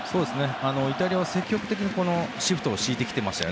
イタリアは積極的にシフトを敷いてきていました。